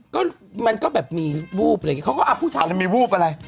ก็มันก็แบบมีวูบอะไรอย่างนี้เขาก็ผู้ชายแล้วมีวูบอะไร